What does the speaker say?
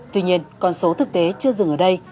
tuy nhiên con số thực tế chưa dừng ở đây